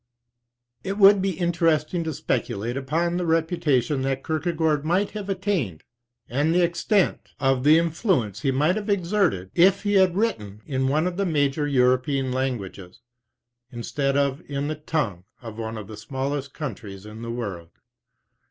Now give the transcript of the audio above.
It would be interesting to speculate upon the reputation that Kierkegaard might have attained, and the extent of the 41 influence he might have exerted, if he had written in one of the major European languages, instead of in the tongue of one of the smallest countries in the world.